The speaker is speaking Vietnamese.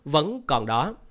vẫn còn đó